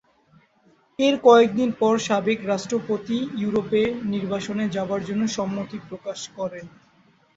এর কয়েকদিন পর সাবেক রাষ্ট্রপতি ইউরোপে নির্বাসনে যাবার জন্য সম্মতি প্রকাশ করেন।